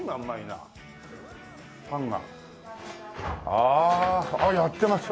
あああっやってます。